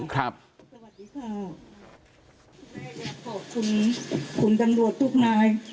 สวัสดีค่ะแม่อยากขอบคุณคุณตำรวจทุกนาย